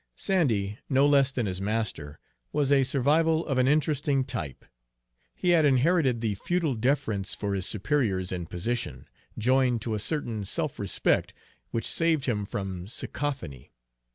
Sandy, no less than his master, was a survival of an interesting type. He had inherited the feudal deference for his superiors in position, joined to a certain self respect which saved him from sycophancy.